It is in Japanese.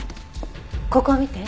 ここを見て。